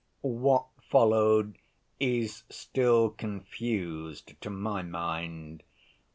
What followed is still confused to my mind.